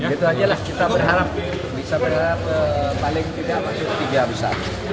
itu aja lah kita berharap bisa berharap paling tidak masuk tiga besar